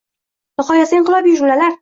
— Nihoyatda inqilobiy jumlalar...